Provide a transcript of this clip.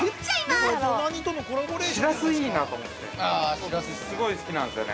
すごい好きなんですよね。